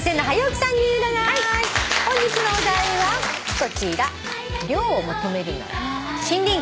本日のお題はこちら。